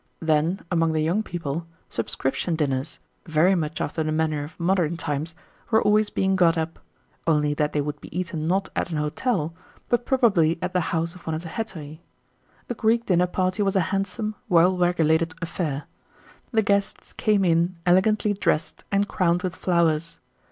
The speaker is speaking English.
Then, among the young people, subscription dinners, very much after the manner of modern times, were always being got up; only that they would be eaten not at an hotel, but probably at the house of one of the heterae. A Greek dinner party was a handsome, well regulated affair. The guests came in elegantly dressed and crowned with flowers.